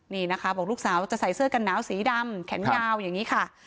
นี่นะคะบอกลูกสาวจะใส่เสื้อกันหนาวสีดำแขนยาวอย่างนี้ค่ะ